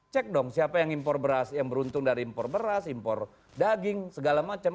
cek dong siapa yang impor beras yang beruntung dari impor beras impor daging segala macam